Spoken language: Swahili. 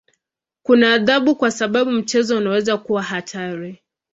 Kuna adhabu kwa sababu mchezo unaweza kuwa hatari.